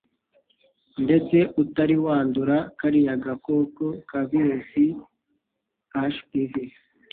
ndetse utari wandura kariya gakoko ka virusi HPV.